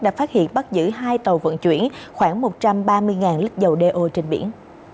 đã phát hiện bắt giữ hai tàu vận chuyển khoảng một trăm ba mươi lít dầu đeo trên biển